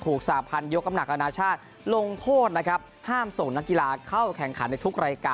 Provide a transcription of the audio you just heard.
สาพันธ์ยกน้ำหนักอนาชาติลงโทษนะครับห้ามส่งนักกีฬาเข้าแข่งขันในทุกรายการ